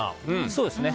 そうですね。